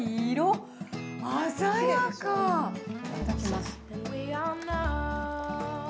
いただきます。